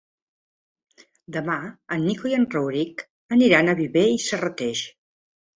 Demà en Nico i en Rauric aniran a Viver i Serrateix.